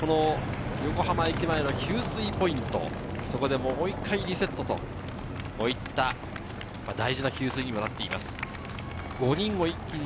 横浜駅前の給水ポイント、そこでもう１回リセットといった、大事な給水になっています。